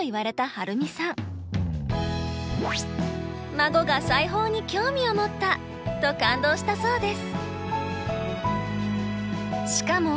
「孫が裁縫に興味を持った！」と感動したそうです。